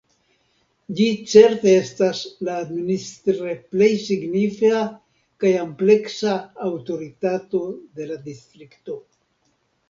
Ĝi certe estas la administre plej signifa kaj ampleksa aŭtoritato de la distrikto.